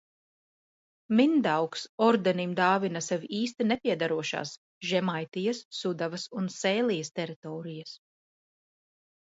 Mindaugs Ordenim dāvina sev īsti nepiederošās Žemaitijas, Sudavas un Sēlijas teritorijas.